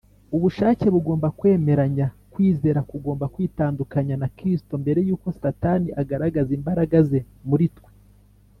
. Ubushake bugomba kwemeranya, kwizera kugomba kwitandukanya na Kristo, mbere yuko Satani agaragaza imbaraga ze muri twe.